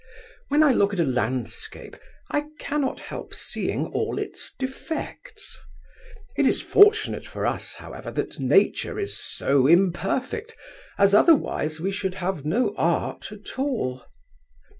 When I look at a landscape I cannot help seeing all its defects. It is fortunate for us, however, that Nature is so imperfect, as otherwise we should have no art at all.